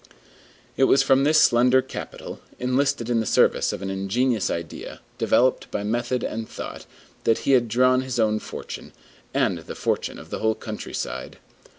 It was from this slender capital, enlisted in the service of an ingenious idea, developed by method and thought, that he had drawn his own fortune, and the fortune of the whole countryside.